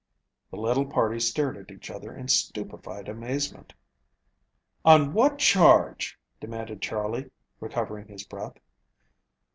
The little party stared at each other in stupefied amazement. "On what charge?" demanded Charley, recovering his breath.